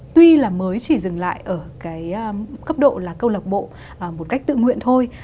tuy là mới chỉ dừng lại ở cái cấp độ là câu lạc bộ một cách tự nguyện thôi